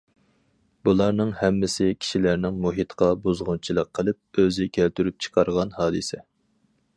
بۇلارنىڭ ھەممىسى كىشىلەرنىڭ مۇھىتقا بۇزغۇنچىلىق قىلىپ، ئۆزى كەلتۈرۈپ چىقارغان ھادىسە.